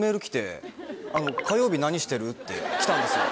「火曜日なにしてる？」って来たんですよ。